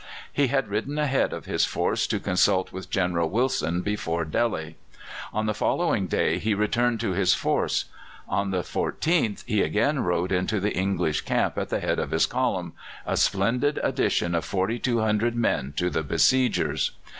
He had ridden ahead of his force to consult with General Wilson before Delhi. On the following day he returned to his force, On the 14th he again rode into the English camp at the head of his column a splendid addition of 4,200 men to the besiegers.